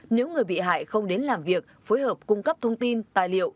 nếu người bị hại không đến làm việc phối hợp cung cấp thông tin tài liệu